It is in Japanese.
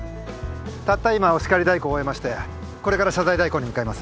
たった今お叱り代行終えましてこれから謝罪代行に向かいます。